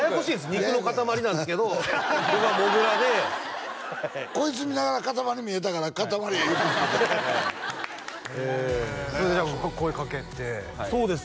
肉の塊なんすけど僕がもぐらでこいつ見ながらかたまり見えたからかたまりや言うてしもうたそれでじゃあ声掛けてそうです